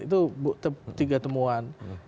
itu tiga temuan